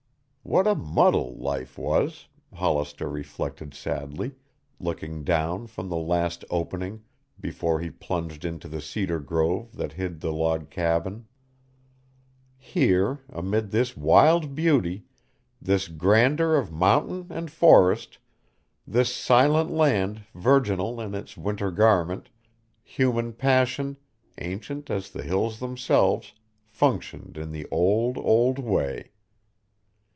What a muddle life was, Hollister reflected sadly, looking down from the last opening before he plunged into the cedar grove that hid the log cabin. Here, amid this wild beauty, this grandeur of mountain and forest, this silent land virginal in its winter garment, human passion, ancient as the hills themselves, functioned in the old, old way.